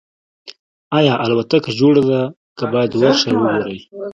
ایا الوتکه جوړه ده که باید ورشئ او وګورئ